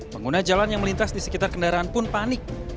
pengguna jalan yang melintas di sekitar kendaraan pun panik